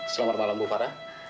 selamat malam bu farah